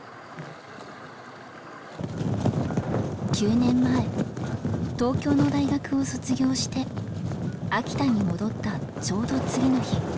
９年前東京の大学を卒業して秋田に戻ったちょうど次の日。